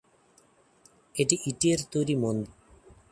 এটি ইটের তৈরি মন্দির।